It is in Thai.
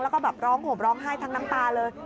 แล้วก็แบบร้องห่มร้องไห้ทั้งน้ำตาเลย